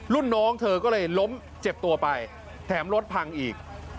รุ่นน้องเธอก็เลยล้มเจ็บตัวไปแถมรถพังอีก